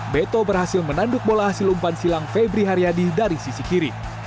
beto berhasil menanduk bola hasil umpan silang febri hari ini